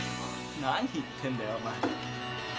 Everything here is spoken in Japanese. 何言ってんだよお前。